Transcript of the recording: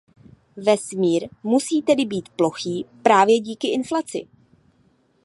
Vesmír musí tedy být plochý právě díky inflaci.